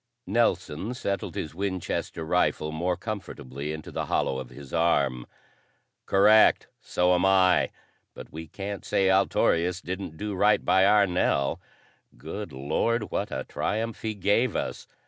Nelson settled his Winchester rifle more comfortably into the hollow of his arm. "Correct. So am I. But we can't say Altorius didn't do right by our Nell. Good Lord, what a triumph he gave us!"